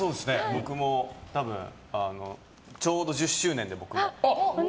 僕も多分、ちょうど１０周年で。